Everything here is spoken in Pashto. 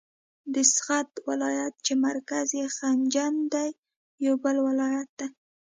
د سغد ولایت چې مرکز یې خجند دی یو بل ولایت دی.